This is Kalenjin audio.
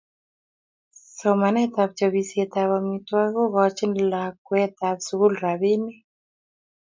Somanetab chobisietab amitwogik kokochini lakwetab sukul robinik